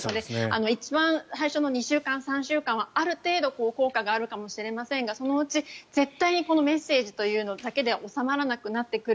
一番最初の２週間、３週間はある程度、効果があるかもしれませんがそのうち絶対にこのメッセージというのだけでは収まらなくなってくる。